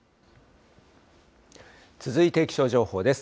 続いて気象情報です。